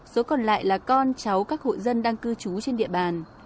số còn lại là con cháu các hộ dân đang cư trú trên địa bàn